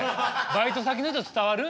バイト先の人伝わる？